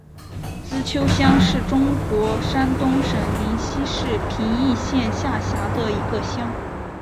资邱乡是中国山东省临沂市平邑县下辖的一个乡。